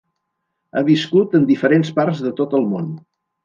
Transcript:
Ha viscut en diferents parts de tot el món.